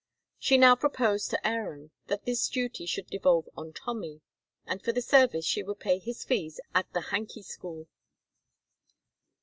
She now proposed to Aaron that this duty should devolve on Tommy, and for the service she would pay his fees at the Hanky School.